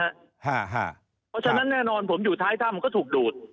เพราะฉะนั้นแน่นอนผมอยู่ท้ายถ้ำก็ถูกดูด